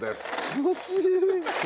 気持ちいい？